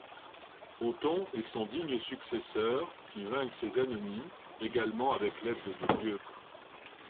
Otton est son digne successeur qui vainc ses ennemis également avec l'aide de Dieu.